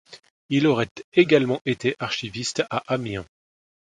Il aurait également été archiviste à Amiens.